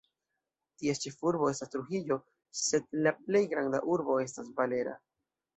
Ties ĉefurbo estas Trujillo sed la plej granda urbo estas Valera.